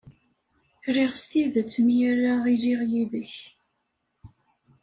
Riɣ s tidet mi ara iliɣ yid-k.